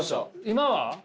今は？